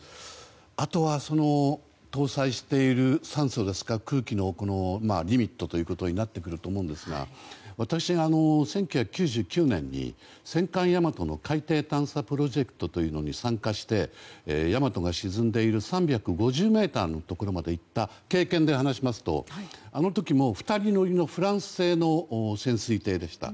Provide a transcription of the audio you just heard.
あとは、搭載している酸素ですか空気のリミットということになってくると思いますが私、１９９９年に戦艦「大和」の海底探査プロジェクトというのに参加して、「大和」が沈んでいる３５０ｍのところまで行った経験で話しますとあの時も２人乗りのフランス製の潜水艇でした。